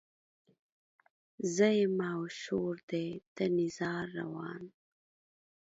زه يمه او شور دی د نيزار روان